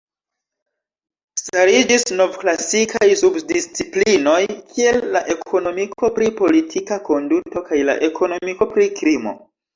Stariĝis novklasikaj subdisciplinoj kiel la ekonomiko pri politika konduto kaj la ekonomiko pri krimo.